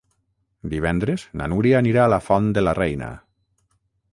Divendres na Núria anirà a la Font de la Reina.